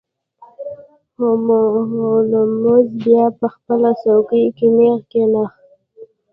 هولمز بیا په خپله څوکۍ کې نیغ کښیناست.